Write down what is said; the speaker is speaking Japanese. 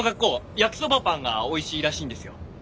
焼きそばパンがおいしいらしいんですよ。